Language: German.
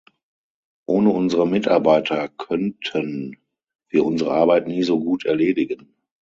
Ohne unsere Mitarbeiter könnten wir unsere Arbeit nie so gut erledigen.